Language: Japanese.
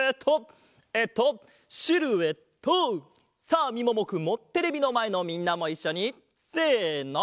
さあみももくんもテレビのまえのみんなもいっしょにせの！